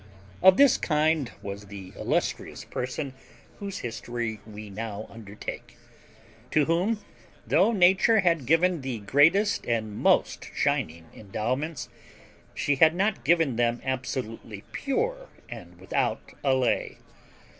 Of this kind was the illustrious person whose history we now undertake; to whom, though nature had given the greatest and most shining endowments, she had not given them absolutely pure and without allay.